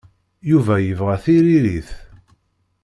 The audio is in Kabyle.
Yuba yebɣa tiririt.